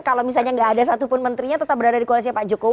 kalau misalnya nggak ada satupun menterinya tetap berada di koalisi pak jokowi